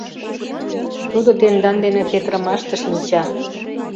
Тудо тендан дене петырымаште шинча.